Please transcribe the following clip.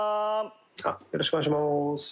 よろしくお願いします。